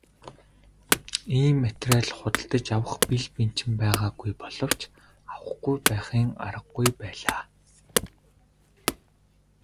Ийм материал худалдаж авах бэл бэнчин байгаагүй боловч авахгүй байхын аргагүй байлаа.